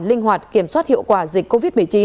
linh hoạt kiểm soát hiệu quả dịch covid một mươi chín